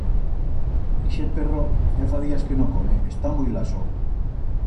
Ixe perro ya fa días que no come, está muit laso.